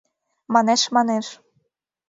МАНЕШ-МАНЕШ